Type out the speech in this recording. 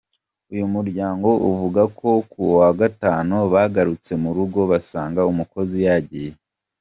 Uyu muryango uvuga ko kuwa Gatanu bagarutse mu rugo basanga umukozi yagiye.